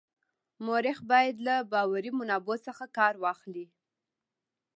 مورخ باید له باوري منابعو څخه کار واخلي.